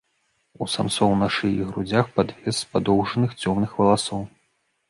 У самцоў на шыі і грудзях падвес з падоўжаных цёмных валасоў.